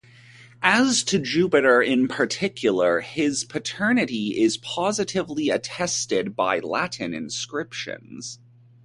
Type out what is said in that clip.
As to Jupiter in particular, his paternity is positively attested by Latin inscriptions.